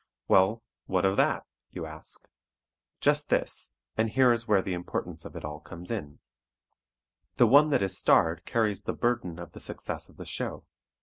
"Well, what of that?" you ask. Just this, and here is where the importance of it all comes in: The one that is starred carries the burden of the success of the show.